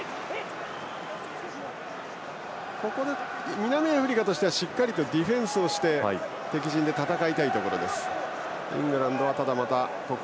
南アフリカとしてはしっかりとディフェンスをして敵陣で戦いたいところ。